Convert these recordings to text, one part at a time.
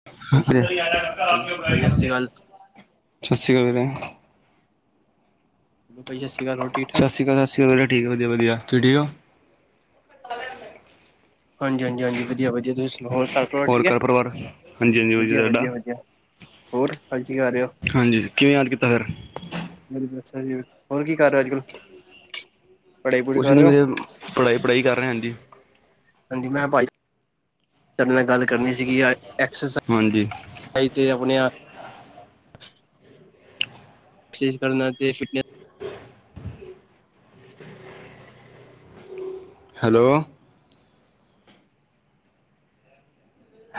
[inaudible] ਭਾਈ ਸਸ ਰੀ ਭਾਈ ਭਾਈ ਸਤਿ ਸ਼੍ਰੀ ਅਕਾਲ ਕਾਲ ਵੀਰੇ। ਭਾਜੀ ਸਸ ਰੀ ਕਾਲ ਹੋਰ ਠੀਕ ਠਾ ਠੀਕ ਐ ਸਸ ਰੀ ਕਾਲ ਠੀਕ ਐ ਵਦੀਆ-ਵਦੀਆ ਤੁਸੀ ਠੀਕ ਓਂ। ਹਾਂਜੀ -ਹਾਂਜੀ- ਹਾਂਜੀ ਵਧੀਆ, ਵਧੀਆ ਤੁਸੀਂ ਸੁਣਾਓ? ਘਰ ਪਰਿਵਾਰ ਹੋਰ ਠੀਕ ਹੈ ਘਰ ਪਰਿਵਾਰ, ਹਾਂਜੀ -ਹਾਂਜੀ ਜੀ ਵਧੀਆ ਤਾਡਾ? ਵਧੀਆ ਵਧੀਆ ਹੋਰ ਅੱਜ ਕੀ ਕਰ ਰਹੇ ਹੋ ਹਾਂਜੀ, ਕਿਵੇਂ ਯਾਦ ਕੀਤਾ ਫੇਰ? ਬਿਲਕੁਲ ਸਹੀ ਐ। ਹੋਰ ਕੀ ਕਰ ਰਿਹੇ ਓ ਅੱਜ -ਕੱਲ? ਪੜ੍ਹਾਈ ਪੜੂਈ ਕੁਛੱ ਕਰ ਨੀ ਰਹੇ ਹੋ ਵੀਰੇ, ਪੜ੍ਹਾਈ -ਪੜ੍ਹਾਈ ਕਰ ਰਿਹਾ, ਹਾਂਜੀ। ਹਾਂਜੀ ਮੈਂ ਬਾਈ ਤਾਡੇ ਨਾਲ ਗੱਲ ਕਰਨੀ ਸੀਗੀ ਐ, ਐਕਸਰਸਾ ਹਾਂਜੀ ਈਜ ਆਪਣੇ ਆਪ [inaudible] ਸੀਜ ਕਰਨਾ ਤੇ ਸੀਟਨਸ ਹੈਲੋ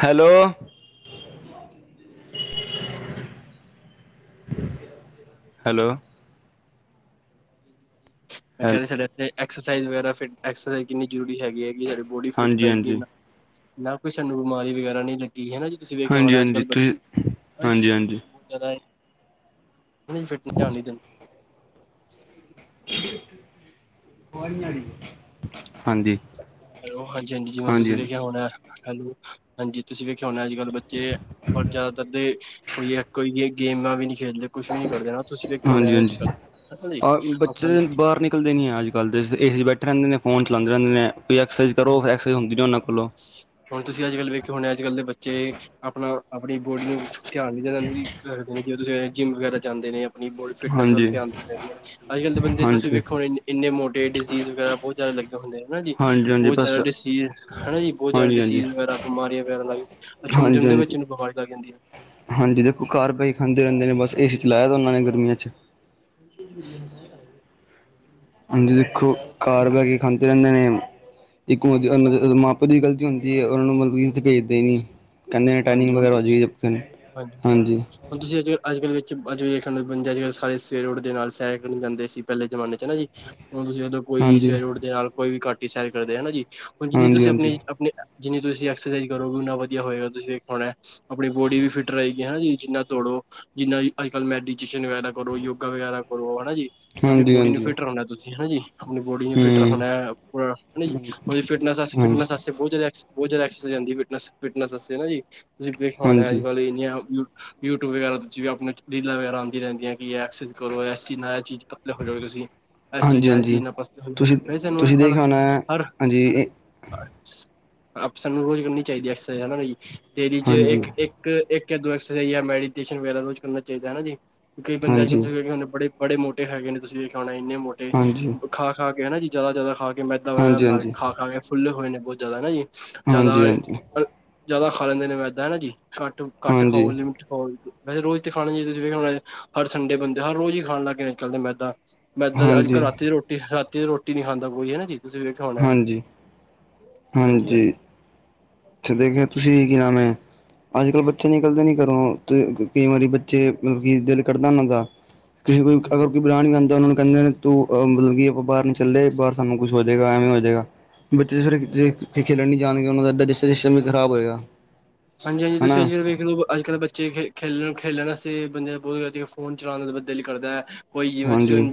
ਹੈਲੋ ਹੈਲੋ ਮੈਂ ਹੈਲ ਕਹਿੰਦਾ ਸੀ ਸਾਡੇ ਤੇ ਐਕਸਾਈਜ਼ ਵਗੈਰਾ ਫਿਟ ਐਕਸਾਈਜ਼ ਕਿੰਨੀ ਜ਼ਰੂਰੀ ਹੈਗੀ -ਹੈਗੀ ਏ ਸਾਡੀ ਬੋਡੀ ਫਿਟ ਹਾਂਜੀ ਰਹੇਗੀ ਹਾਂਜੀ ਨਾ ਨਾ ਕੋਈ ਸਾਨੂੰ ਬਿਮਾਰੀ ਵਗੈਰਾ ਨੀ ਲੱਗੀ ਹੈਨਾ ਜੀ। ਤੁਸੀਂ ਵੇਖਿਆ ਹਾਂਜੀ- ਹੋਣਾ ਅੱਜ ਹਾਂਜੀ, ਤੁਸੀਂ ਹਾਂਜੀ- ਹਾਂਜੀ। ਜਦੋ ਉਵੇ ਈ ਫਿਟਨਸ ਧਿਆਨ ਨੀ ਦੇਣ [unintelligible] ਅਵਾਜ ਨੀ ਆ ਰਹੀ, ਹਾਂਜੀ। ਹੈਲੋ ਹਾਂਜੀ -ਹਾਂਜੀ ਜਿਵੇਂ ਤੁਸੀਂ ਵੇਖਿਆ ਹੋਣਾ ਐ। ਹੈਲੋ- ਹਾਂਜੀ ਤੁਸੀਂ ਵੇਖਿਆ ਹੋਣਿ ਅੱਜ -ਕੱਲ੍ਹ ਬੱਚੇ, ਪਰ ਜ਼ਿਆਦਾਤਰ ਦੇ ਕੁੜੀਆਂ ਕੋਈ ਏਹ ਗੇਮਾਂ ਵੀ ਨੀ ਖੇਡਦੇ ਕੁਛੱ ਵੀ ਨੀ ਕਰਦੇ ਨਾ ਤੁਸੀਂ ਵੇਖਾ ਹਾਂਜੀ ਹੋਣਿਆ ਅੱਜ -ਕੱਲ, ਹਨਾ ਜੀ ਆਪਣਾ ਵੀ ਬਹਾਰ ਨਿਕਲ ਦੇ ਨੀ ਐ ਜੀ। ਗੱਲ ਦੇ ਸੀ ਏਸੀ ਚ ਬੈਠੇ ਰਹਿੰਦੇ ਫੋਨ ਚਲਾਉਂਦੇ ਰਹਿੰਦੇ ਨੇ ਕੋਈ ਐਕਸਾਈਜ਼ ਕਰੋ ਫਿਰ ਐਕਸਾਈਜ਼ ਹੁੰਦੀ ਨੇ ਉਹਨਾਂ ਕੋਲੋਂ। ਹੁਣ ਤੁਸੀਂ ਅੱਜ -ਕੱਲ ਵੇਖੇ ਹੋਣੇ ਆ ਅੱਜ- ਕੱਲ ਦੇ ਬੱਚੇ ਆਪਣਾ -ਆਪਣੀ ਬੋਡੀ ਨੂੰ ਧਿਆਨ ਦੇਦੇ ਰਹਿੰਦੇ ਜੀ, ਜਿਵੇਂ ਜਿੰਮ ਵਗੈਰਾ ਜਾਂਦੇ ਨੇ। ਆਪਣੀ ਬੋਡੀ ਫਿਟਨ ਵੱਲ ਹਾਂਜੀ ਧਿਆਨ ਦਿੰਦੇ ਨੇ, ਅੱਜ- ਕੱਲ ਦੇ ਬੰਦੇ ਤੁਸੀਂ ਹਾਂਜੀ ਵੇਖੋ ਇਨ-ਇਨੇ ਮੋਟੇ ਡਿਜ਼ੀਜ਼ ਵਗੈਰਾ ਬੋਤ ਲੱਗੇ ਹੁੰਦੇ ਆ ਹਨਾ ਜੀ। ਹਾਂਜੀ ਹਾਂਜੀ ਬਹੁਤ ਬਸ ਜ਼ਿਆਦਾ ਡਿਸੀਰ ਹਨਾ ਜੀ ਬਹੁਤ ਜ਼ਿਆਦਾ ਹਾਂਜੀ ਹਾਂਜੀ ਡਸੀਰ ਵਗੈਰਾ ਬਿਮਾਰੀਆਂ ਵਗੈਰਾ ਲੱਗ ਆ ਹਾਂਜੀ ਛੁਨਦੇ ਵਿੱਚ ਹਾਂਜੀ ਵੀ ਬਿਮਾਰੀ ਲੱਗ ਜਾਂਦੀ ਐ। ਹਾਂਜੀ ਦੇਖੋ ਘਰ ਬਹਿ ਖਾਂਦੇ ਰਹਿੰਦੇ ਨੇ ਬਸ ਏ ਸੀ ਚਲਾਇਆ ਤਾਂ ਉਹਨਾਂ ਨੇ ਗਰਮੀਆਂ ਚ। [inaudible] ਹਾਂਜੀ ਦੇਖੋ ਘਾਰ ਬੈਹ ਕੇ ਖਾਂਦੇ ਰਹਿੰਦੇ ਨੇ, ਇੱਕੋ ਜਿ ਇੰਨਾ ਹਾਂ ਦੇ ਮਾਂ ਪ ਓ ਦੀ ਗਲਤੀ ਹੁੰਦੀ ਐ, ਉਹਨਾਂ ਨੂੰ ਰੀਝ ਕੇ ਨੰ, ਕਹਿੰਦੇ ਨੇ ਹਾਂਜੀ ਟਾਈਨਿੰਗ ਹੁਣ ਵਗੈਰਾ ਤੇ- ਹੋ ਜਾਏਗੀ ਆਪਣੇ, ਹਾਂਜੀ। ਹੁਣ ਤੁਸੀਂ ਅੱਜ-ਅੱਜ -ਕੱਲ੍ਹ ਵਿਚ ਅੱਜ ਵੇਖਣ ਨੂੰ ਅੱਜ- ਕੱਲ ਸਾਰੇ ਸਵੇਰੇ ਉੱਠਦੇ ਨਾਲ ਸੈਰ ਕਰਨ ਜਾਂਦੇ ਸੀ ਪਹਿਲੇ ਜ਼ਮਾਨੇ ਚ ਹਨਾ ਜੀ। ਹੁਣ ਤੁਸੀਂ ਜਦੋਂ ਕੋਈ ਹਾਂਜੀ ਸਵੇਰੇ ਉਠ ਦੇ ਨਾਲ ਕੋਈ ਵੀ ਘੱਟ ਸੈਰ ਕਰਦੇ ਹਨਾ ਜੀ, ਹੁਣ ਜਿੰਨੀ ਹਾਂਜੀ ਤੁਸੀਂ ਆਪਣੀ -ਆਪਣੇ ਜਿੰਨੀ ਤੁਸੀ ਐਕਸਾਈਜ਼ ਕਰੋ ਉਨਾ ਵਧੀਆ ਹੋਏਗਾ ਤੁਸੀਂ ਵੇਖਾ ਹੋਣਾ। ਆਪਣੀ ਬੋਡੀ ਵੀ ਫਿਟ ਰਹੇਗੀ ਹਨਾ ਜੀ ਜਿੰਨਾ ਦੋੜੋ। ਜਿੰਨਾ ਅਜ-ਅੱਜ -ਕੱਲ੍ਹ ਮੈਡੀਟੇਸ਼ਨ ਵਗੈਰਾ ਕਰੋ ਯੋਗਾ ਵਗੈਰਾ ਕਰੋ ਹਨਾ ਜੀ। ਜੇ ਆਪਣੀ ਬੋਡੀ ਨੂੰ ਹਾਂਜੀ ਫਿਟ ਰਹਿਣਾ ਤੁਸੀਂ ਹਨਾ ਜੀ। ਆਪਣੀ ਬੋਡੀ ਫਿਟ ਹਾਂਜੀ ਰੱਖਣਾ ਉ ਹਨ ਜੀ, ਉਵੇ ਫਟਨਸ ਅਸ ਹਮ ਹਾਂਜੀ -ਫਟਨਸ ਅਸ ਬੋਤ ਜ਼ਿਆਦਾ ਐਕਸ ਬਹੁਤ ਐਕਸਾਈਜ਼ ਆਂਦੀ ਐ, ਫਿਟਨਸ - ਫਿਟਨੈਂਸ ਵਾਸਤੇ ਹਨਾ ਜੀ। ਤੁਸੀਂ ਕੀ ਖਾਣਾ ਅੱਜ ਹਾਂਜੀ ਕੱਲ ਇੰਨੀਆਂ ਕੁ ਯੂਟਿਊਬ ਵਗੈਰਾ ਵਿੱਚ ਵੀ ਆਪਣੇ ਰੀਲਾਂ ਵਗੈਰਾ ਆਉਦੀ ਰਹਿੰਦੀਆਂ ਇਹ ਐਕਸਜ਼ ਕਰੋ ਏਸ ਚੀਜ਼ ਨਾਲ ਏ ਚੀਜ਼ ਪਤਲੇ ਹੋ ਜਾਓਗੇ ਤੁਸੀਂ, ਏਸ ਚੀਜ਼ ਹਾਂਜੀ ਨਾਲ ਏਜ ਹਾਂਜੀ ਚੀਜ਼ ਨਾਲ ਪਤਲੇ ਹੋ ਤੁਸੀਂ ਗੇ, ਸਾਨੂੰ ਤੁਸੀਂ ਹੋਰ ਦੇਖਿਆ ਹੋਣਾ -ਔਰ ਹਾਂਜੀ ਸਾਨੂੰ ਰੋਜ਼ ਕਰਨੀ ਚਾਹੀਦੀ ਐਕਸਾਈਜ਼ ਹਨਾ ਬਈ ਡੇਲੀ ਚ ਹਾਂਜੀ ਹਾਂਜੀ ਇੱਕ - ਇੱਕ ਇੱਕ ਯਾ ਦੋ ਐਕਸਾਈਜ਼ ਮੈਡੀਟੇਸ਼ਨ ਵਗੈਰਾ ਰੋਜ਼ ਕਰਨਾ ਚਾਹੀਦੈ ਹਨਾ ਜੀ ਕਈ ਬੰਦਾ ਹਾਂਜੀ [unintelligible] ਬੜੇ ਮੋਟੇ ਹੈਗੇ ਨੇ ਤੁਸੀਂ ਇਹ [unintelligible] ਹਾਂਜੀ। ਖਾ-ਖਾ ਕੇ ਹਨਾ ਜੀ ਜ਼ਿਆਦਾ-ਜ਼ਿਆਦਾ ਖਾ ਕੇ ਮੈਦਾ ਵਗੈਰਾ ਬਨਾ ਕੇ ਹਾਂਜੀ ਹਾਂਜੀ ਖਾ-ਖਾ ਕੇ ਫੁੱਲੇ ਹੋਏ ਨੇ ਬਹੁਤ ਜ਼ਿਆਦਾ ਹਨਾ ਜੀ। ਜ਼ਿਆਦਾ ਹਾਂਜੀ ਹਾਂਜੀ ਅ ਜ਼ਿਆਦਾ ਖਾ ਲੈਂਦੇ ਨੇ ਮੈਦਾ ਹੈਨਾ ਜੀ ਘੱਟ, ਘੱਟ ਹਾਂਜੀ ਖਾਓ ਲਿਮਿਟ ਖਾਓ। ਵੈਸੇ ਰੋਜ਼ 'ਤੇ ਖਾਣਾ ਈ ਨੀ ਚਾਹੀਦਾ ਜਿਵੇਂ ਹੁਣ ਹਰ ਸੰਡੇ ਬੰਦੇ ਹਰ ਰੋਜ਼ ਈ ਖਾਣ ਲਗ ਗੇ ਅੱਜ ਕੱਲ ਤੇ ਮੈਦਾ। ਮੈਂਦਾਂ ਅੱਜ-ਕੱਲ੍ਹ ਹਾਂਜੀ ਰਾਤੀ ਦੀ ਰੋਟੀ ਰਾਤੀ ਦੀ ਰੋਟੀ ਨੀ ਖਾਂਦਾ ਕੋਈ ਹਨਾ ਜੀ। ਤੁਸੀਂ ਵੇਖਿਆ ਹੋਣਾ ਹਾਂਜੀ, ਹਾਂਜੀ ਚੱਲੇ ਗੇ ਤੁਸੀਂ ਕੀ ਨਾਮ ਐ? ਅੱਜ-ਕੱਲ੍ਹ ਬੱਚੇ ਨਿਕਲਦੇ ਨੀ ਘਰੋ 'ਤੇ ਕਈ ਵਾਰੀ ਬੱਚੇ ਵੀ ਦਿਲ ਕਰਦੈ ਉਹਨਾ ਦਾ। ਕਿਸੇ ਨੂੰ ਕੋਈ ਕਹਿ ਦੋ ਕਿ ਹਾਂਜੀ ਕੋਈ ਬੁਲਾਣ ਨੀ ਆਂਦਾ ਉਹਨਾਂ ਨੂੰ ਕਹਿੰਦੇ ਤੂੰ ਅਹ ਮਤਲਬ ਕੀ ਉਹ ਬਾਰ ਨੀ ਚੱਲੇ ਬਾਰ ਸਾਨੂੰ ਕੁਛ ਹੋ ਜੇ ਗਾ ਐਵੇ ਹੋਜੇਗਾ ਬੱਚੇ ਜਿਹੜੇ ਖੇਲਣ ਨੀ ਜਾਣਗੇ ਉਹਨਾਂ ਦਾ ਡਾਇਜੇਸਨ ਵੀ ਖਰਾਬ ਹੋਏਗਾ। [unintelligible] [inaudible] ਹਨਾ ਅੱਜ-ਕੱਲ ਬੱਚੇੇ ਖੇ ਖੇਲਣ-ਖੇਲਣ ਅੱਸੇ ਬੰਦੇ ਦਾ ਬਹੁਤ ਫੋਨ ਚਲਾਣ ਦਾ ਦਿਲ ਕਰਦੈ। ਕੋਈ ਜਿਵੇਂ ਤੁਸੀਂ ਹਾਂਜੀ ਹੁਣ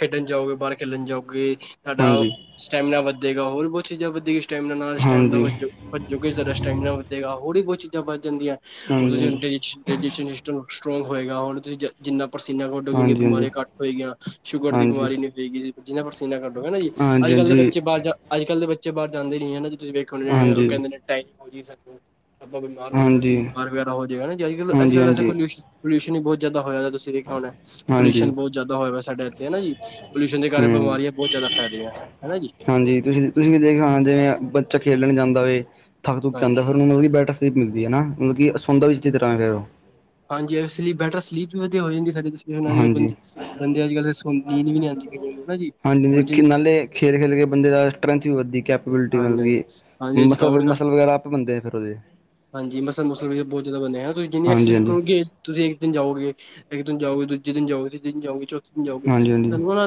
ਖੇਡਣ ਜਾਓਗੇ ਬਾਹਰ ਖੇਲਣ ਜਾਓਗੇ ਤੁਹਾਡਾ ਹਾਂਜੀ ਸਟੈਮੀਨਾ ਵਧੇਗਾ ਹੋਰ ਬਹੁਤ ਚੀਜ਼ਾਂ ਵਧੇਗੀ ਸਟੈਮੀਨਾ ਨਾਲ ਸਟੈਮੀਨਾ ਹਾਂਜੀ ਵੱਜੋ ਵੱਜੋਗੇ ਸਾਡਾ ਸਟੈਮੀਨਾ ਵਧੇਗਾ। ਹੋੜੇ ਬਹੁਤ ਚੀਜ਼ਾਂ ਵੱਧ ਜਾਂਦੀਐਂ ਉਰ ਹਾਂਜੀ ਡਾਇ ਡਾਇਜੇਸਨ ਸਿਸਟਮ ਸਟਰੋਂਗ ਹੋਏਗਾ ਹੋਰ ਤੁਸੀਂ ਜ ਜਿੰਨਾ ਪਰਸੀਨਾ ਕੱਢੋਗੇ ਉਨੀ ਹਾਂਜੀ ਹਾਂਜੀ ਬਿਮਾਰੀਆਂ ਘੱਟ ਹੋਏਗੀਆਂ ਸ਼ੂਗਰ ਦੀ ਹਾਂਜੀ ਬਿਮਾਰੀ ਨੀ ਹੋਏਗੀ ਜਿੰਨਾ ਪਰਸੀਨਾ ਹਨਾ ਜੀ ਅੱਜ-ਕੱਲ ਦੇ ਹਾਂਜੀ ਹਾਂਜੀ ਬੱਚੇ ਬਾਹਰ ਜਾ ਅੱਜ-ਕੱਲ ਦੇ ਬੱਚੇ ਬਾਰ ਜਾਂਦੇ ਨੀ ਐ ਨਾ ਜੀ ਤੁਸੀਂ ਵੇਖੋ ਹਾਂਜੀ ਕਹਿੰਦੇ ਨੇ ਟੇਮ ਹੋ ਜੀ ਸਾਨੂੰ ਆਪਾਂ ਬਿਮਾਰ ਹੋਜਾ ਗੇ ਹਾਂਜੀ ਬੁਖਾਰ ਵਗੈਰਾ ਹੋਜੇਗਾ ਹਨਾ ਜੀ ਅ ਕੱਲ ਹਾਂਜੀ ਹਾਂਜੀ ਅੱਜ-ਕੱਲ ਵੈਸੇ ਹਾਂਜੀ ਪਲਿਊਸ਼ ਪੋਲਿਊਸ਼ਨ ਵੀ ਬਹੁਤ ਜ਼ਿਆਦਾ ਹੋਆ ਤੁਸੀ ਵੇਖਿਆ ਹੋਣੈ। ਹਾਂਜੀ ਪੋਲਿਊਸ਼ਨ ਬਹੁਤ ਜ਼ਿਆਦਾ ਹੋਇਆ ਵਾ ਸਾਡੇ ਇੱਥੇ ਹਨਾ ਜੀ ਪੋਲਿਊਸ਼ਨ ਦੇ ਕਾਰਨ ਹੂੰ ਬਿਮਾਰੀਆਂ ਬਹੁਤ ਜ਼ਿਆਦਾ ਫੈਲ ਰਹੀਆਂ ਹਨਾ ਜੀ। ਹਾਂਜੀ ਤੁਸੀਂ, ਤੁਸੀਂ ਵੀ ਦੇਖਿਆ ਹੋਣੈ ਜਿਵੇਂ ਬੱਚਾ ਖੇਲਣ ਜਾਂਦਾ ਵੇ ਥੱਕ ਥੁਕ ਕੇ ਆਂਦਾ ਹਾਂਜੀ ਫਿਰ ਉਹਨੂੰ ਮਲਬ ਕੀ ਬੈਟ 'ਤੇ ਪੀ ਵੀ ਹਨਾ ਮਤਲਬ ਕਿ ਸੋਂਦਾ ਵੀ ਜਿੱਦ ਨਾਲ ਏ ਉਹ। ਹਾਂਜੀ ਏ ਸਲੀਪ ਬੈਟਰ ਸਲੀਪ ਵੀ ਵਧੀਆ ਹੋ ਈ ਨੀ ਸਕਦੀ। ਹੁਣ ਅੱਜ ਹਾਂਜੀ ਬੰਦ ਬੰਦੇ ਅੱਜ-ਕੱਲ ਸੋ ਨੀਂਦ ਵੀ ਨੀ ਆਂਦੀ ਕਈਆਂ ਨੂੰ ਹਨਾ ਜੀ ਉਰ ਖੇਲ-ਖੇਲ ਕੇ ਬੰਦੇ ਦਾ ਸਟਰੈਂਥ ਵੀ ਵੱਧੀ ਗਾ। ਬਿਲਟੀ ਹਾਂਜੀ ਹਾਂਜੀ ਬਣਗੀ ਹਾਂਜੀ ਮਸਲ ਥਕਾਵਟ ਘੱਟ ਮਸਲ ਵਗੈਰਾ ਆਪੇ ਬਣਦੇ ਫੇਰ ਉਹਦੇ। ਹਾਂਜੀ ਮਸਲ ਮੁਸਲ ਵੀ ਬਹੁਤ ਜ਼ਿਆਦਾ ਬਣੇਗਾ ਤੁਸੀ ਜਿੰਨੀ ਹਾਂਜੀ ਐਕਸਜ਼ ਹਾਂਜੀ ਕਰੋਗੇ ਤੁਸੀਂ ਇੱਕ ਦਿਨ ਜਾਓਗੇ, ਇੱਕ ਦਿਨ ਜਾਓਗੇ, ਦੂਜੇ ਦਿਨ ਜਾਓਗੇ, ਤੀਜੇ ਦਿਨ ਜਾਓਗੇ, ਚੌਥੇ ਦਿਨ ਜਾਓਗੇ ਹਾਂਜੀ ਤਾਂਨੂੰ ਨਾ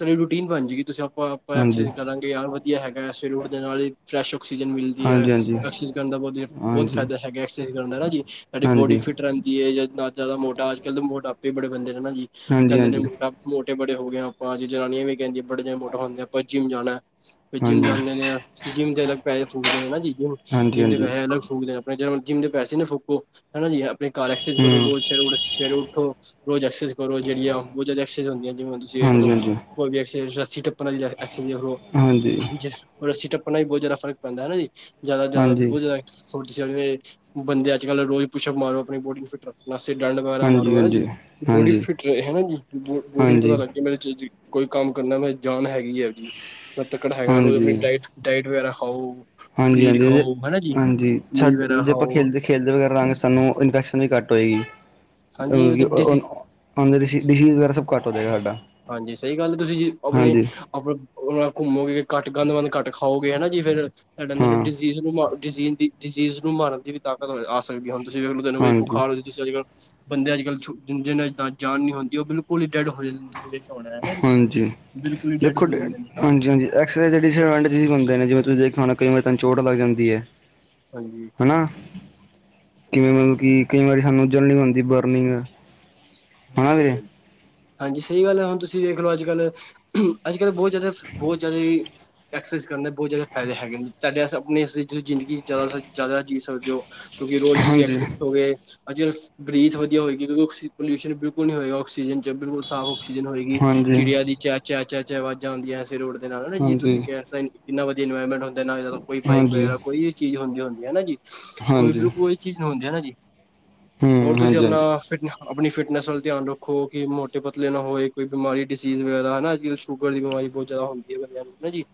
ਸਾਡੀ ਰੂਟੀਨ ਬਣ ਜੇਗੀ ਤੁਸੀਂ ਆਪਾਂ-ਆਪਾਂ ਹਾਂਜੀ ਹਾਂਜੀ ਐਕਸਜ ਕਰਾਂਗੇ ਯਾਰ ਵਧੀਆ ਹੈਗਾ ਐ ਸੇਰੇ ਉਠਦੇ ਨਾਲ ਈ ਫਰੈਸ਼ ਔਕਸੀਜਨ ਮਿਲਦੀ ਐ ਹਾਂਜੀ ਐਕਸੀਜ ਕਰਨ ਦਾ ਬਹੁ ਬਹੁਤ ਹਾਂਜੀ ਫਾਇਦਾ ਹੈਗਾ ਐ ਐਕਸੀਜ ਕਰਨ ਦਾ ਹਨਾ ਜੀ। ਸਾਡੀ ਬੋਡੀ ਹਾਂਜੀ ਫਿੱਟ ਰਹਿੰਦੀ ਏ ਨਾ ਜ਼ਿਆਦਾ ਮੋਟਾ ਅੱਜ-ਕੱਲ ਦੇ ਮੋਟਾਪੇ ਬੜੇ ਬੰਦੇ ਨੇ ਹਨਾ ਜੀ ਹਾਂਜੀ ਕਹਿੰਦੇ ਨੇ ਹਾਂਜੀ ਮੋਟਾ ਮੋਟੇ ਬੜੇ ਹੋ ਗਏ ਆਪਾਂ ਜ਼ਨਾਨੀਆਂ ਵੀ ਕਹਦੀਆਂ ਬੜੀਆਂ ਮੋਟਾ ਹੁੰਦੀਆਂ ਆਪਾਂ ਜਿਮ ਜਾਣੈ। ਜਿੰਮ ਹਾਂਜੀ ਜਾਂਦੇ ਨੇ ਆ ਜਿੰਮ ਦੇ ਅਲੱਗ ਪੈਹੇ ਫੂਕਦੇ ਆਂ ਹਨਾ ਜੀ ਜੋ ਹਾਂਜੀ ਜਿੰਮ ਦੇ ਹਾਂਜੀ ਹਾਂਜੀ ਪੈਹੇ ਅਲੱਗ ਫੂਕਦੇ ਜਿੰਮ ਦੇ ਪੈਸੇ ਨਾ ਫੂਕੋ ਹਨਾ ਜੀ ਆਪਣੇ ਘਰ ਐਕਸਜ ਕਰੋ ਹੂੰ ਰੋਜ਼ ਸੇਰੇ ਉਠ ਸਵੇਰੇ ਉਠੋ। ਰੋਜ਼ ਐਕਸਜ਼ ਕਰੋ ਜਿਹੜੀ ਆਹ ਬਹੁਤ ਜਿਆਦਾ ਐਕਸਜ਼ ਹੁੰਦੀਆਂ ਜਿਵੇਂ ਤੁਸੀ ਵੇਖ ਲੋ ਹਾਂਜੀ ਕੋਈ ਵੀ ਐਕਸਜ ਰੱਸੀ ਟੱਪਣ ਆਈ ਐਹ ਐਕਸਜ ਵੇਖ ਲੋ। ਹਾਂਜੀ। ਹਾਂਜੀ ਰੱਸੀ ਟੱਪਣ ਨਾਲ ਈ ਬਹੁਤ ਜ਼ਿਆਦਾ ਫਰਕ ਪੈਂਦੈ ਅਨਾ ਜੀ ਜ਼ਿਆਦਾ-ਜ਼ਿਆਦਾ ਹਾਂਜੀ ਬੋਅ ਜ਼ਿਆਦਾ ਜੈਵੇਂ ਬੰਦੇ ਅੱਜ-ਕੱਲ ਰੋਜ਼ ਪੁੱਛਅਪ ਮਾਰੋ ਆਪਣੀ ਬੋਡੀ ਨੂੰ ਫਿੱਟ ਰੱਖ ਨਾਸੇ ਡੰਡ ਵਗੈਰਾ ਮਾਰੋ ਹਨਾ ਜੀ ਹਾਂਜੀ ਹਾਂਜੀ ਬੋਡੀ ਹਾਂਜੀ ਫਿਟ ਰਹੇ ਹਨਾ ਜੀ ਬੋ ਬੋਡੀ ਨੂੰ ਪਤਾ ਹਾਂਜੀ ਲੱਗੇ ਮੇਰਾ ਕੋਈ ਕੰਮ ਕਰਨਾ ਮ ਜਾਨ ਹੈਗੀ ਐਂ ਜੀ ਮੈ ਤੱਕੜ ਹੈਗਾ ਰੋਜ਼ ਆਪਣੀ ਡਾਇਟ, ਡਾਇਟ ਵਗੈਰਾ ਖਾਓ। ਪਨੀਰ ਹਾਂਜੀ-ਹਾਂਜੀ, ਖਾਓ ਹੈ ਨਾ ਜੀ ਹਾਂਜੀ ਪਨੀਰ ਛੱਡ ਵਗੈਰਾ ਜੇ ਆਪਾਂ ਖਾਓ ਖੇਲਦੇ-ਖੇਲਦੇ ਵਗੈਰਾ ਰਾਹਗੇ ਸਾਨੂੰ ਇਨ ਵੀ ਘੱਟ ਹੋਏਗੀ, ਹਾਂਜੀ ਉਹ ਡਿਸੀ ਉਹਨ ਡੀ ਸੀ ਵਗੈਰਾ ਸਭ ਘੱਟ ਹੋ ਜਾਏਗਾ ਸਾਡਾ। ਹਾਂਜੀ ਸਈ ਗੱਲ ਤੁਸੀਂ ਜੇ ਆਪਣੀ ਹਾਂਜੀ ਆਪ ਘੁੰਮੋਗੇ ਘੱਟ ਗੰਦ ਮੰਦ ਘੱਟ ਖਾਓ ਫੇ ਏਹ ਨਾ ਜੀ ਫੇਰ ਹਾਂ ਡਿਸੀਜ਼ ਨੂੰ ਮਾ ਡਿਸੀਜ਼ ਨੂੰ ਮਾਰਨ ਦੀ ਵੀ ਤਾਕ ਆ ਸਕਦੀ ਹੁਣ ਤੁਸੀ ਵੇਖਲੋ ਤਨੂੰ ਕੋਈ ਹਾਂਜੀ ਬੁਖਾਰ ਤੁਸ ਅੱਜ-ਕੱਲ ਬੰਦੇ ਅੱਜ-ਕੱਲ ਛੋ ਜਿੰਨਾ ਅ ਤਾਂ ਜਾਨ ਨੀ ਹੁੰਦੀ ਉਹ ਬਿਲਕੁਲ ਈ ਡੈਡ ਹੋ ਜਾਂ ਹੁਣ ਐ ਨਾ ਜੀ, ਬਿਲਕੁਲ ਈ ਡੈਡ ਹੋ ਜਾਂਦੇ ਨੇ। ਹਾਂਜੀ-ਹਾਂਜੀ ਐਕਸਰੇ ਦੇ ਡਿਸਐਡਵਾਂਟਜ ਵੀ ਹੁੰਦੇ ਨੇ ਜਿਵੇ ਤੁਸੀਂ ਦੇਖਿਆ ਹੋਣਾ ਕਈ ਵਾਰੀ ਤਾਂਨ ਚੋਟ ਲੱਗ ਜਾਂਦੀ ਏ। ਹਾਂਜੀ ਹਨਾ ਕਿਵੇਂ ਮਤਲਬ ਕਿ ਕਈ ਵਾਰੀ ਸਾਨੂੰ ਜਲ ਨੀ ਬਣਦੀ ਬਰਨਿੰਗ ਹਨਾਂ ਬੀ ਹਾਂਜੀ ਹਾਂਜੀ ਸਹੀ ਗੱਲ ਹੈ ਹੁਣ ਤੁਸੀਂ ਵੇਖ ਲਓ ਅੱਜ ਕੱਲ੍ਹ ਅੱਜ ਕੱਲ੍ਹ ਬੋਤ ਜ਼ਿਆਦਾ ਬੋਤ ਜ਼ਿਆਦਾ ਐਕਸਰਸਾਈਜ਼ ਕਰਨ ਦੇ ਬਹੁਤ ਜ਼ਿਆਦਾ ਫਾਇਦੇ ਹੈਗੇ ਨੇ ਤੁਹਾਡੇ ਆਪਣੀ ਜ਼ਿੰਦਗੀ ਜ਼ਿਆਦਾ ਜ਼ਿਆਦਾ ਜੀਅ ਸਕਦੇ ਹੋ ਕਿਉਂਕਿ ਰੋਜ਼ ਤੁਸੀਂ ਐਕਸ ਹਾਂਜੀ ਉੱਠੋਗੇ ਅੱਜ ਕੱਲ੍ਹ ਬਰੀਥ ਵਧੀਆ ਹੋਏਗੀ ਕਿਉਂਕਿ ਆਕਸੀ ਪੋਲਿਊਸ਼ਨ ਬਿਲਕੁਲ ਨੀ ਹੋਏਗਾ ਆਕਸੀਜਨ ਚ ਬਿਲਕੁਲ ਸਾਫ਼ ਆਕਸੀਜਨ ਹੋਏਗੀ ਹਾਂਜੀ ਹਾਂਜੀ ਚਿੜੀਆਂ ਦੀ ਚੈ ਚੈ ਚੈ ਚੈ ਆਵਾਜ਼ਾਂ ਆਦੀਆਂ ਐੇ ਸਵੇਰੇ ਉੱਠਦੇ ਨਾਲ ਹਨਾ ਜੇ ਤੁਸੀਂ ਹਾਂਜੀ ਕਹਿ ਸਕ ਇੰਨਾ ਵਧੀਆ ਇਨਵਾਇਰਮੈਂਟ ਹੁੰਦਾ ਨਾਦ ਕੋਈ ਬਾਈਕ ਹਾਂਜੀ ਵਗੈਰਾ ਕੋਈ ਚੀਜ਼ ਹੁੰਦੀ ਹੁੰਦੀ ਹਨਾ ਜੀ ਕੋਈ ਬਿਲਕੁਲ ਚੀਜ਼ ਨੂੰ ਹੁੰਦੀ ਹੈ ਨਾ ਜੀ ਹੋਰ ਹੂੰ ਤੁਸੀਂ ਆਪਣਾ ਹਾਂਜੀ ਫਿਟਨ ਆਪਣੀ ਫਿਟਨੈਸ ਵੱਲ ਧਿਆਨ ਰੱਖੋ ਕਿ ਮੋਟੇ ਪਤਲੇ ਨਾ ਹੋਏ ਕੋਈ ਬਿਮਾਰੀ ਡਿਸੀਜ਼ ਵਗੈਰਾ ਹਨਾ ਅੱਜ ਕੱਲ੍ਹ ਸ਼ੂਗਰ ਦੀ ਬਿਮਾਰੀ ਬਹੁਤ ਜਾਦਾ ਹੁੰਦੀ ਹੈ ਬੰਦਿਆਂ ਨੂੰ ਹਨਾ ਜੀ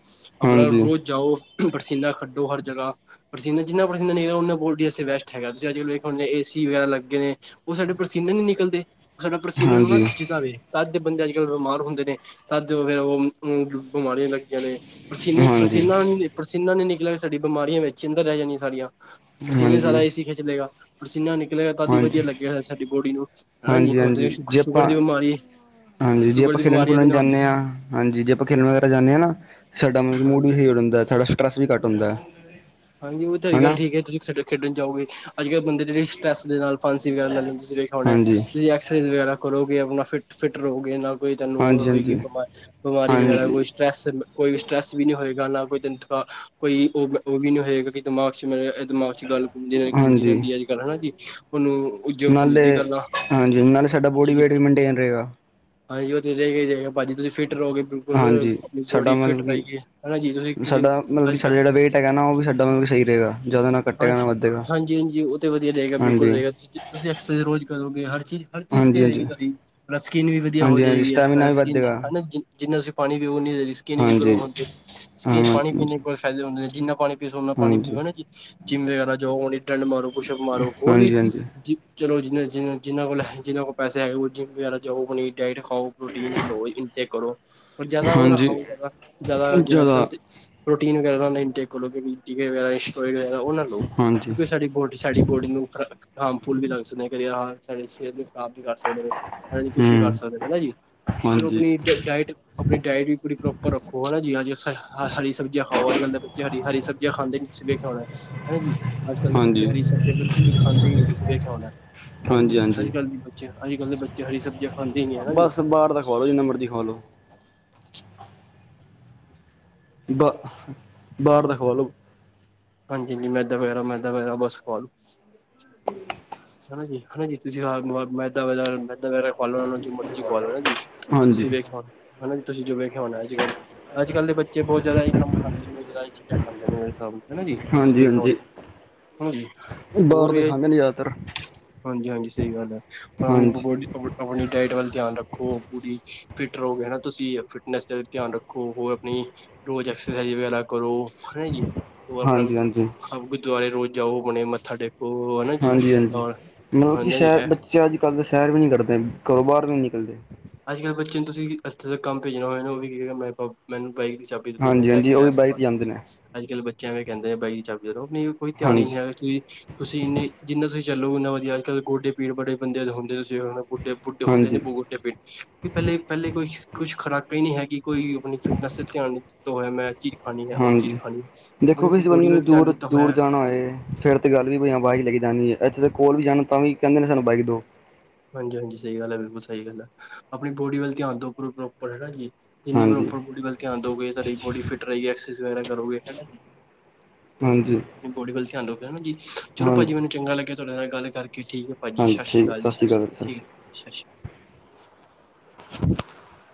ਆਪਣਾ ਹਾਂਜੀ ਹਾਂਜੀ ਰੋਜ਼ ਜਾਓ ਪਸੀਨਾ ਖੱਡੋ ਹਰ ਜਗ੍ਹਾ ਪ੍ਰਸੀਨਾ ਜਿਨਾ ਪ੍ਰਸੀਨਾ ਨਿਕਲੇ ਗਾ ਉਣਾ ਬਾਡੀ ਵਾਸਤੇ ਬੈਸਟ ਹੈਗਾ ਤੁਸੀਂ ਅੱਜ ਕੱਲ ਵੇਖੋ ਹੁਣ ਏ ਏਸੀ ਵਗੈਰਾ ਲੱਗੇ ਨੇ ਉਹ ਸਾਡੇ ਪ੍ਰਸੀ ਪ੍ਰਸੀਨਾ ਨੀ ਨਿਕਲਦੇ ਸਾਡਾ ਪ੍ਰਸੀਨੇ ਨੂੰ ਨਾ ਹਾਂਜੀ ਖਿੱਚਦਾ ਵੇ ਤਦ ਦੇ ਬੰਦੇ ਅੱਜ ਕੱਲ੍ਹ ਬਿਮਾਰ ਹੁੰਦੇ ਨੇ ਤਦ ਫਿਰ ਉਹ ਬਿਮਾਰੀਆਂ ਲੱਗਦੀਆਂ ਨੇ ਪ੍ਰਸੀਨੇ ਹਾਂਜੀ, ਪ੍ਰਸੀਨਾ ਨੀ ਪਸੀਨਾ ਨੀ ਨਿਕਲਿਆ ਸਾਡੀ ਬਿਮਾਰੀਆਂ ਵਿੱਚ ਅੰਦਰ ਰੈ ਜਾਣੀਆਂ ਸਾਰੀਆਂ ਪ੍ਰਸੀਨਾ ਹੀ ਹਾਂਜੀ, ਸਾਰਾ ਏਸੀ ਖਿਚ ਲੇਗਾ ਪ੍ਰਸੀਨਾ ਨਿਕਲੇਗਾ ਤਾਦ ਹੀ ਵਧੀਆ ਹਾਂਜੀ, ਹਾਂਜੀ, ਲਗੇਗਾ ਅਸੀ ਸਾਡੀ ਬੋਡੀ ਨੂੰ ਹਨਾ ਜੀ ਹੁਣ ਤੁਸੀਂ ਹਾਂਜੀ ਸ਼ ਜੇ ਸ਼ੂਗਰ ਆਪਾਂ ਦੀ ਬਿਮਾਰੀ ਹਾਂਜੀ ਜੇ ਸ਼ੂਗਰ ਆਪਾਂ ਦੀ ਖੇਲਣ ਬਿਮਾਰੀ ਇਹਦੇ ਖੁਲਣ ਨਾਲ ਹੁੰਦੀ ਜਾਂਦੇ ਹਾਂ ਹਾਂਜੀ ਜੇ ਆਪਾਂ ਖੇਲਣ ਵਗੈਰਾ ਜਾਂਦੇ ਹਾਂ ਨਾ ਸਾਡਾ ਮੁ ਮੂਡ ਵੀ ਹਾਂਜੀ ਸਹੀ ਹੋ ਜਾਦਾ ਏ ਸਾਡਾ ਸਟਰੈਸ ਵੀ ਘਟ ਹੁੰਦਾ ਹੈ ਹਾਂਜੀ ਉਹ ਤੁਹਾਡੀ ਗੱਲ ਠੀਕ ਹੈ ਤੁਸੀਂ ਖੇਡ ਖੇਡਣ ਜਾਓਗੇ ਅੱਜ ਕੱਲ ਬੰਦੇ ਜੇੜੇ ਸਟਰੈਸ ਦੇ ਨਾਲ ਫਾਂਸੀ ਵਗੈਰਾ ਲੈ ਲੈਂਦੇ ਤੁਸੀਂ ਵੇਖਿਆ ਹੋਣਾ ਹਾਂਜੀ, ਤੁਸੀਂ ਐਕਸਰਸਾਈਜ਼ ਵਗੈਰਾ ਕਰੋਗੇ ਆਪਣਾ ਫਿਟ ਫਿਟ ਰਹੋਗੇ ਨਾਲ ਕੋਈ ਤਾਨੂੰ ਉਹ ਹਾਂਜੀ, ਹੋਏਗੀ ਹਾਂਜੀ, ਬਿਮਾ ਬਿਮਾਰੀ ਵਗੈਰਾ ਹਾਂਜੀ, ਕੋਈ ਸਟਰੈਸ ਕੋਈ ਸਟਰੈਸ ਵੀ ਨਹੀਂ ਹੋਏਗਾ ਨਾ ਕੋਈ ਤਾਣੁ ਕੋਈ ਥਕਾਨ ਕੋਈ ਉ ਉਹ ਵੀ ਨ ਹੋਏਗਾ ਕਿ ਦਿਮਾਗ ਚ ਮੇ ਦਿਮਾਗ ਚ ਗੱਲ ਘੁੰਮਦੀ ਰ ਘੁੰਮਦੀ ਹਾਂਜੀ ਰਹਿੰਦੀ ਅੱਜ ਕੱਲ ਹਨਾ ਜੀ ਉਹਨੂੰ ਓਇਓ ਘੁੰਮਦੀ ਨਾਲੇ ਗੱਲਾਂ ਹਾਂਜੀ ਹੰ ਨਾਲੇ ਸਾਡਾ ਬੋਡੀ ਵੇਟ ਵੀ ਮੇਨਟੇਨ ਰਹੇਗਾ ਹਾਂਜੀ ਉਹ ਤੇ ਰਹੇਗਾ ਹੀ ਰਹੇਗਾ ਭਾਜੀ ਤੁਸੀਂ ਫਿਟ ਰਹੋਗੇ ਬਿਲਕੁਲ ਹਾਂਜੀ ਆਪਣੀ ਸਾਡਾ ਬੋਡੀ ਫਿਟ ਮਤਲਬ ਕਿ ਰਹੇਗੀ ਹਨਾ ਜੀ ਤੁਸੀਂ ਕਿਸੇ ਅੱਜ ਕੱਲ ਤਾਂ ਹੈਗਾ ਨਾ ਉਹ ਵੀ ਸਾਡਾ ਮਤਲਬ ਸਹੀ ਰਹੇਗਾ ਜਦੋਂ ਨਾ ਘੱਟੇਗਾ ਹਾਂਜੀ ਨਾ ਵੱਧੇਗਾ ਹਾਂਜੀ ਹਾਂਜੀ ਉਹ ਤਾਂ ਵਧੀਆ ਰਹੇਗਾ ਬਿਲਕੁਲ ਹਾਂਜੀ, ਰਹੇਗਾ ਤੁਸੀਂ ਐਕਸਰਸਾਈਜ਼ ਰੋਜ਼ ਕਰੋਗੇ ਹਰ ਚੀਜ਼ ਹਰ ਹਰ ਚੀਜ਼ ਵਧੀਆ ਹਾਂਜੀ, ਹਾਂਜੀ, ਹਾਂਜੀ, ਰਹੇਗੀ ਤੁਹਾਡੀ ਪਲੱਸ ਸਕਿੰਨ ਵੀ ਵਧੀਆ ਹੋ ਹਾਂਜੀ ਜਾਏਗੀ ਅੱਜ ਸਟੈਮੀਨਾ ਕੱਲ੍ਹ ਵੀ ਸਕਿਨ ਵੱਧੇਗਾ ਹਨਾ ਜਿੰਨਾ ਤੁਸੀਂ ਪਾਣੀ ਪੀਓ ਓਨੀ ਸਕਿੰਨ ਵੀ ਗਰੋ ਹਾਂਜੀ ਹੁੰਦੀ ਸਕਿਨ ਹਾਂਜੀ ਪਾਣੀ ਪੀਣ ਈ ਫਾਇਦੇ ਹੁੰਦੇ ਨੇ ਜਿੰਨਾ ਪਾਣੀ ਪੀਓ ਉਨਾ ਪਾਣੀ ਹਾਂਜੀ ਪੀਓ ਹਨਾਂ ਜੀ ਜਿੰਮ ਵਗੈਰਾ ਜਾਓ ਉਹ ਡੰਡ ਮਾਰੋ ਪੁਸ਼ਪ ਮਾਰੋ ਹੋਰ ਵੀ ਹਾਂਜੀ ਹਾਂਜੀ ਜੀ ਚਲੋ ਜ ਜਿਨ੍ਹਾਂ ਜਿਨਾ ਜਿਨਾ ਕੋਲ ਜਿਨਾਂ ਕੋਲ ਪੈੇਸੇ ਹੈਗੇ ਜਿੰਮ ਵਗੈਰਾ ਜਾਓ ਆਪਣੀ ਡਾਇਟ ਖਾਓ ਪ੍ਰੋਟੀਨ ਲਓ ਇਨ ਟੇਕ ਕਰੋ ਪਰ ਜ਼ਿਆਦਾ ਉਹ ਨਾ ਹਾਂਜੀ ਖਾਓ ਜ਼ਿਆਦਾ, ਜ਼ਿਆਦਾ ਜਿਦਾ ਗਲਤ ਪ੍ਰੋਟੀਨ ਵਗੈਰਾ ਨਾ ਇਨਟੇਕ ਕਰੋ ਕਦੀ। ਟਿਕੇ ਵਗੇਰਾ ਐਸਟ੍ਰਾਇਡ ਵਗੇਰਾ ਉਹ ਨਾ ਲਓ ਹਾਂਜੀ ਕਿਉਂਕਿ ਸਾਡੀ ਬੋਡੀ, ਸਾਡੀ ਬੋਡੀ ਨੂੰ ਖੁਰਾਕ ਹਾਰਮਫੁਲ ਵੀ ਲੱਗ ਸਕਦੇ ਨੇ ਕਈ ਅਰੀ ਆਹ ਸਾਡੀ ਸਿਹਤ ਨੂੰ ਖਰਾਬ ਵੀ ਕਰ ਸਕਦੇ ਨੇ, ਐਨੀ ਕੁਛ ਵੀ ਕਰ ਹੂੰ ਸਕਦੇ ਨੇ ਹਨਾ ਜੀ। ਚਲੋ ਹਾਂਜੀ ਆਪਣੀ ਡ ਡਾਇਟ ਆਪਣੀ ਡਾਇਟ ਵੀ ਪੂਰੀ ਪ੍ਰੋਪਰ ਰੱਖੋ ਹਨਾ ਜੀ ਹਾਂਜੀ ਹਰੀ ਹਰੀ ਸਬਜ਼ੀਆਂ ਖਾਓ ਅੱਜ ਕੱਲ ਦੇ ਬਚੇ ਹਰੀ ਹਰੀ ਸਬ ਜੀਆਂ ਖਾਂਦੇ ਨੀ ਤੁਸੀਂ ਵੇਖਿਆ ਹੋਣਾ। ਹੈਨਾ ਜੀ ਅੱਜ ਕੱਲ੍ਹ ਦੇ ਬੱਚੇ ਹਾਂਜੀ ਹਰੀ ਸਬਜ਼ੀਆਂ ਬਿਲਕੁਲ ਈ ਖਾਂਦੇ ਨਹੀ ਤੁਸੀਂ ਵੇਖਿਆ ਹੋਣਾ। ਹੈਂ ਜੀ, ਹਾਂਜੀ ਅੱਜ ਹਾਂਜੀ ਕੱਲ ਦੀ ਬੱਚੇ, ਅੱਜ ਕੱਲ੍ਹ ਦੇ ਬੱਚੇ ਹਰੀ ਸਬਜੀਆਂ ਬਸ ਬਾਹਰ ਦਾ ਖਵਾ ਲੋ ਜਿੰਨਾ ਮਰਜ਼ੀ ਖਵਾਲੋ ਬ ਬਾਹਰ ਦਾ ਖਵਾ ਲਓ। ਹਾਂਜੀ ਹਾਂਜੀ ਮੈਦਾ ਵਗੈਰਾ, ਮੈਦਾ ਵਗੈਰਾ ਬਸ ਖਵਾਲੋ। ਹਨਾ ਜੀ, ਹਨਾ ਜੀ ਤੁਸੀਂ ਰਾਤ ਨੂੰ ਮੈਦਾ ਵਗੈਰਾ, ਮੈਦਾ ਵਗੈਰਾ ਖ਼ਵਾਲੋ ਓਹਨਾ ਨੂੰ ਜੋ ਮਰਜੀ ਖ਼ਵਾਲੋ ਹੈਨਾ ਜੀ, ਹਾਂਜੀ ਤੁਸੀਂ ਵੇਖਿਆ ਹੋ ਹਨਾ ਜੀ ਤੁਸੀਂ ਜੋ ਵੇਖਿਆ ਹੋਣਾ ਅੱਜ ਕੱਲ੍ਹ ਅੱਜ ਕੱਲ ਦੇ ਬੱਚੇ ਬਹੁਤ ਜਿਆਦਾ ਇਹ ਕੰਮ ਕਰਦੇ। ਬਹੁਤ ਜਿਆਦਾ ਇਹੀ ਚੀਜਾਂ ਖਾਂਦੇ ਨੇਂ ਮੇਰੇ ਹਿਸਾਬ ਨਾ ਹਨਾ ਜੀ! ਤੁਸੀ ਹਾਂਜੀ ਵੇਖਿਆ ਹੋਨਾ। ਹਾਂਜੀ ਹਣਾ ਜੀ, ਹੋਰ ਬਾਹਰ ਦੇ ਏ ਖਾਂਦੇ ਨੇ ਜ਼ਿਆਦਾਤਰ ਹਾਂਜੀ-ਹਾਂਜੀ ਸਹੀ ਗੱਲ ਏ। ਆਪ ਹਾਂਜੀ [unintelligible] ਜੀ ਆਪ ਆਪਨੀ ਡਾਇਟ ਵੱਲ ਧਿਆਨ ਰੱਖੋ। ਪੂਰੀ ਫਿਟ ਰਹੋਗੇ ਤੁਸੀ ਫਿਟਨੈਸ ਤੇ ਵੀ ਧਿਆਨ ਰੱਖੋ। ਹੋਰ ਆਪਨੀ ਰੋਜ ਐਕਸਰਸਾਈਜ਼ ਵਗੈਰਾ ਕਰੋ। ਹਨਾ ਜੀ ਹੋਰ ਆਪਣਾ, ਹਾਂਜੀ ਹਾਂਜੀ ਆਪ ਗੁਰਦੁਆਰੇ ਰੋਜ ਜਾਓ ਆਪਣੇ ਮੱਥਾ ਟੇਕ ਓ, ਹਨਾ ਜੀ! ਔਰ ਹਨਾ ਜੀ ਇਹ ਚੇ ਅੱਜਕੱਲ ਦੇ ਸੈਰ ਵੀ ਨਹੀਂ ਕਰਦੇ। ਘਰੋਂ ਬਾਹਰ ਵੀ ਨੀ ਨਿਕਲਦੇ। ਅੱਜਕੱਲ ਬੱਚੇ ਨੂੰ ਤੁਸੀ ਇੱਥੇ ਦ ਕੰਮ ਭੇਜਣਾ ਹੋਏ ਨਾ ਉਹ ਵੀ ਕਹੇਗਾ ਮੈ ਤੋ, ਮੈਨੂੰ ਬਾਈਕ ਦੀ ਚਾਬ ਬੀ ਦੇ ਦਿਓ, ਮੈਂ ਹਾਂਜੀ ਲਏ ਹਾਂਜੀ ਕੇ ਉਹ ਆਇਆ ਵੀ ਬਾਈਕ ਸਮਾਨ। ਤੇ ਜਾਂਦੇ ਨੇ ਅੱਜਕੱਲ ਬੱਚੇ ਇਹਵੈਂ ਕਹਿੰਦੇ ਏਂ, ਬਾਈਕ ਦੀ ਚਾਬੀ ਤਾ ਦੋ ਅਪਨੀ ਕੋਈ ਧਿਆਨ ਹੀ ਨੀ ਹਾਂਜੀ ਹੈਗਾ ਕੀ ਤੁਸੀ ਇੰਹਨੀਂ, ਜਿੰਹਨਾ ਤੁਸੀ ਚੱਲੋ ਉੰਹਨਾ ਵਧੀਆ। ਅੱਜਕਲ ਗੋਡੇ ਪੀੜ ਬੜੇ ਬੰਦੇ ਦੇ ਹੁੰਦੇ ਸੀ। ਤੁਸੀਂ ਉਹ ਨਾ ਗੋਡੇ ਬੁੱਢੇ ਹੁੰਦੇ ਨੇਂ, ਹਾਂਜੀ [unintelligible] ਬਈ ਪਹਿਲੇ-ਪਹਿਲੇ ਕੋਈ ਕੁਛ ਖੁਰਾਕਾਂ ਹੀ ਨਹੀਂ ਹੈਗੀ ਕੋਈ ਆਪਨੀ ਫਿਟਨੈਸ ਤੇ ਧਿਆਨ ਨਹੀਂ ਦਿੱਤਾ ਹੋਇਆ ਮੈਂ। ਚੀਜ ਖਾਨੀ ਹੈ, ਉਹ ਚੀਜ਼ ਹਾਂਜੀ ਖਾਨੀ ਹੈ। ਹੁਣ ਅਸੀ ਬੋਡੀ ਵੱਲ ਧਿਆਨ ਦਿੱਤਾ ਹੋਇਆ। ਨਾਲੇ ਫਿਰ ਤੇ ਗੱਲ ਵੀ ਕੋਈ ਹਾਂ ਬਾਈਕ ਲੈ ਕੇ ਜਾਨੀ ਐਂ। ਇੱਥੇ ਤੇ ਕੋਲ ਵੀ ਜਾਨਾ, ਤਾਂ ਵੀ ਕਹਿੰਦੇ ਨੇਂ ਸਾਨੂੰ ਬਾਈਕ ਦੋ। ਹਾਂਜੀ-ਹਾਂਜੀ ਸਹੀ ਗੱਲ ਹੈ। ਬਿਲਕੁਲ ਸਹੀ ਗੱਲ ਐ। ਆਪਨੀ ਬੋਡੀ ਵੱਲ ਧਿਆਨ ਦੋ, ਪ੍ਰੋ ਪ੍ਰੋਪਰ ਹੈਨਾ ਜੀ! ਜਿੰਨੀ ਹਾਂਜੀ ਪ੍ਰੋਪਰ ਬੋਡੀ ਵੱਲ ਧਿਆਨ ਦਓਗੇ, ਤੁਹਾਡੀ ਬੋਡੀ ਫਿਟ ਰਹੇਗੀ। ਐਕਸਰਸਾਈਜ਼ ਵਗੈਰਾ ਕਰੋਗੇ, ਹੈਨਾ ਜੀ। ਹਾਂਜੀ। ਨੀ ਬੋਡੀ ਵੱਲ ਧਿਆਨ ਦਓਗੇ, ਹਨਾ ਜੀ! ਚਲੋ ਹਾਂਜੀ ਭਾਜੀ ਮੈਨੂੰ ਚੰਗਾ ਲੱਗਿਆ ਤੁਹਾਡੇ ਨਾਲ ਗੱਲ ਕਰਕੇ, ਠੀਕ ਐ। ਹਾਂਜੀ, ਠੀਕ ਹੈ! ਸਸਰੀ ਅਕਾਲ। ਸਸ ਸ੍ਰੀ ਸਸੀ [inaudible]